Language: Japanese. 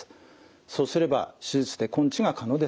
そうすれば手術で根治が可能です。